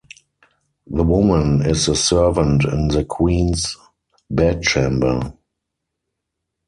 The woman is a servant in the queen's bedchamber.